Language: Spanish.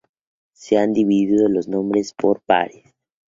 Se han dividido los nombres por parajes.